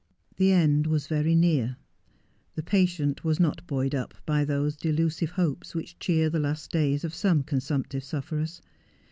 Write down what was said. The end was very near. The patient was not buoyed up by those delusive hopes which cheer the last days of some consumptive sufferers.